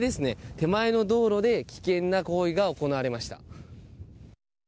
手前の道路で危険な行為が行われました。